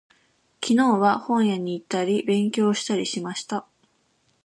昨日は、本屋に行ったり、勉強したりしました。